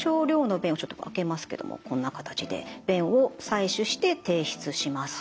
ちょっと開けますけどもこんな形で便を採取して提出します。